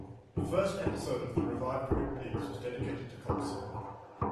The first episode of the revived Twin Peaks was dedicated to Coulson.